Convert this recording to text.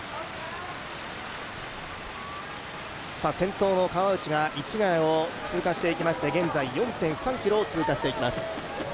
先頭の川内が市ヶ谷を通過していきまして現在４．３ｋｍを通過していきます。